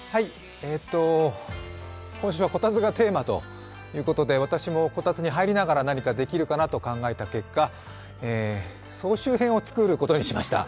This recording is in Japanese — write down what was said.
今週はこたつがテーマということで、私もこたつに入りながら何かできるかなと考えた結果、総集編を作ることにしました。